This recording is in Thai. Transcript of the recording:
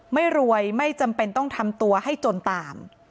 ไม่รวยไม่จำเป็นต้องทำตัวให้จนตาม